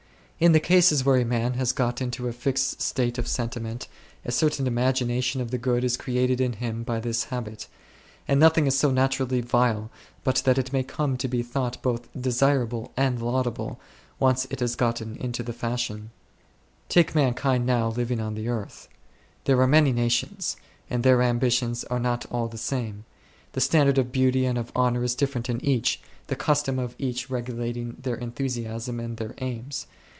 In the cases where a man has got into a fixed state of sentiment, a certain imagination of the good is created in him by this habit ; and nothing is so naturally vile but it may come to be thought both desirable and laudable, once it has got into the fashion1. Take mankind now living on the earth. There are many nations, and their ambitions are not all the same. The standard of beauty and of honour is different in each, the custom of each regulating their enthusiasm and their aims.